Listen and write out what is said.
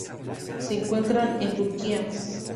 Se encuentra en Turquía